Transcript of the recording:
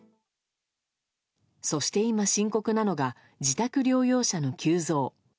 そして今、深刻なのが自宅療養者の急増。